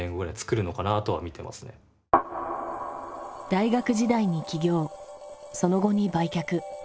大学時代に起業その後に売却。